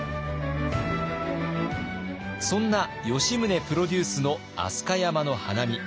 そんな吉宗プロデュースの飛鳥山の花見。